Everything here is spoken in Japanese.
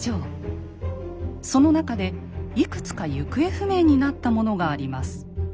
その中でいくつか行方不明になったものがあります。